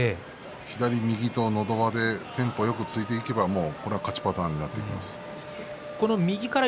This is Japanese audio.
左右とのど輪でテンポよく突いていけば勝ちパターンになっていきますからね。